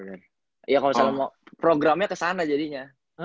ya kalau misalnya mau programnya kesana jadinya